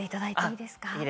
いいですか？